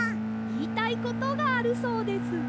いいたいことがあるそうです。